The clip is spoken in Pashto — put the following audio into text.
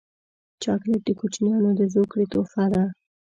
چاکلېټ د کوچنیانو د زوکړې تحفه ده.